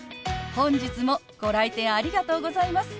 本日もご来店ありがとうございます！